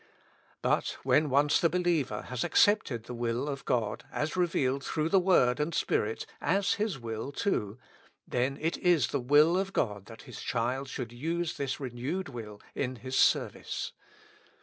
But, when once the believer has accepted the will of God, as revealed through the Word and Spirit, as his will, too, then it is the will of God that His child should use this renewed will in His service.